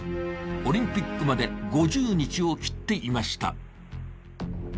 オリンピックまで５０日を切っていました。